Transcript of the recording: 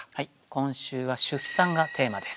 今週は「出産」がテーマです。